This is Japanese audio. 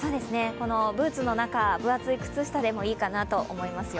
このブーツの中、分厚い靴下でもいいかなと思いますよ。